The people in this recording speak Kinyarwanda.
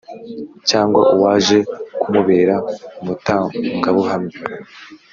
Cyangwa uwaje kumubera umutangabuhamya